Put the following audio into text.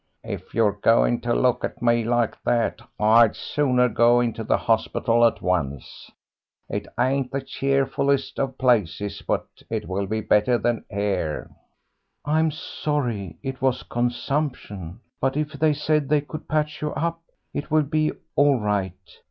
"If you're going to look at me like that I'd sooner go into the hospital at once. It ain't the cheerfulest of places, but it will be better than here." "I'm sorry it was consumption. But if they said they could patch you up, it will be all right.